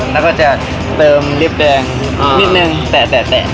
แล้วก็จะเติมลิฟต์แดงนิดนึงแตะ